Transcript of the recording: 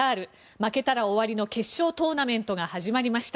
負けたら終わりの決勝トーナメントが始まりました。